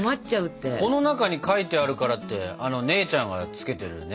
この中に書いてあるからって姉ちゃんがつけてるね